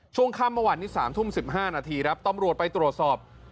ช่วงข้ามมาวันที่๓ทุ่ม๑๕นาทีต้องรวดไปตรวจสอบ